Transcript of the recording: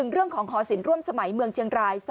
เรื่องของหอศิลปสมัยเมืองเชียงราย